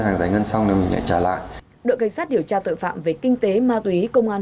hàng giấy ngân xong rồi mình lại trả lại đội cảnh sát điều tra tội phạm về kinh tế ma túy công an